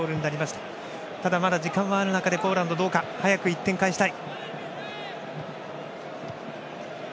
ただ、まだ時間はある中でポーランドは早く１点返したい。